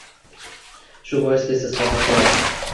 Shu bois tez-tez qatnab turardim